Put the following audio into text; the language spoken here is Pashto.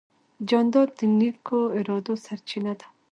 جانداد د نیکو ارادو سرچینه ده.